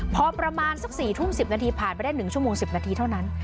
พอประมาณสัก๔ทุ่ม๑๐นาทีผ่านไปได้๑ชั่วโมง๑๐นาทีเท่านั้น